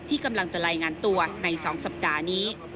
กำลังจะรายงานตัวใน๒สัปดาห์นี้